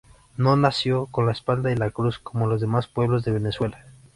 No nació con la espada y la cruz como los demás pueblos de Venezuela.